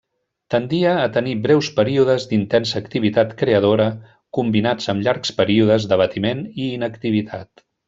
Tendia a tenir breus períodes d'intensa activitat creadora combinats amb llargs períodes d'abatiment i inactivitat.